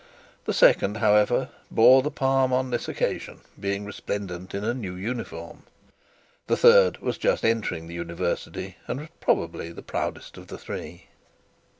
The second, however, bore the palm on this occasion, being resplendent in his new uniform. The third was just entering the university, and was probably the proudest of the three.